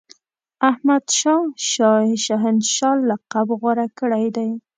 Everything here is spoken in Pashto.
احمدشاه شاه هنشاه لقب غوره کړی دی.